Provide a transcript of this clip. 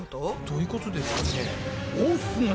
どういうことですかね？